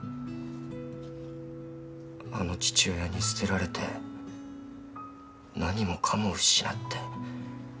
あの父親に捨てられて何もかも失って。